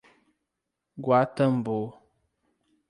Guatambu